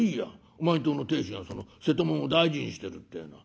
お前んとこの亭主がその瀬戸物を大事にしてるってえのは。